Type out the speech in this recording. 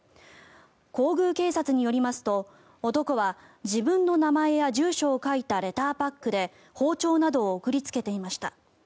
皇宮警察によりますと男は自分の名前や住所を書いたレターパックで包丁などを送りつけていました。